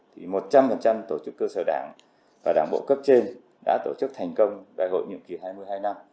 thì một trăm linh tổ chức cơ sở đảng và đảng bộ cấp trên đã tổ chức thành công đại hội nhiệm kỳ hai mươi hai năm